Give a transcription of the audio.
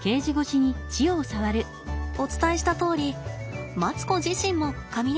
お伝えしたとおりマツコ自身もかみね